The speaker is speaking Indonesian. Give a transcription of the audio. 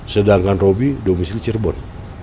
sedangkan robby domisili cirebon